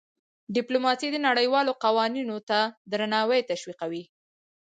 ډيپلوماسي د نړیوالو قوانینو ته درناوی تشویقوي.